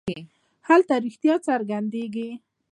هلته رښتیا څرګندېږي.